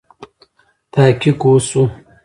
تحقیق وسو.